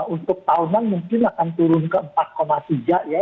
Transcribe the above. untuk tahunan mungkin akan turun ke empat tiga ya